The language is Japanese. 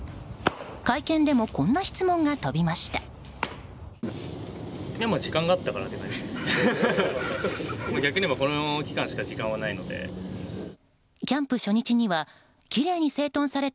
会見でもこんな質問が飛びました。